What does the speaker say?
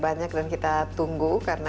banyak dan kita tunggu karena